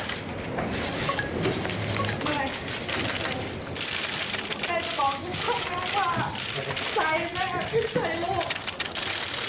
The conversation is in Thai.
ผมมันยังมีเงื่อนงามอะไรบางแต่หลายอย่าง